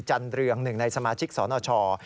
จันเตรียมหนึ่งในสมาชิกสรณชอบ